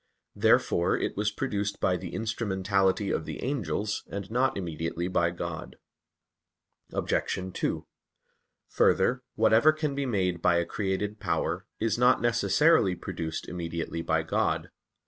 Therefore it was produced by the instrumentality of the angels, and not immediately by God. Obj. 2: Further, whatever can be made by a created power, is not necessarily produced immediately by God.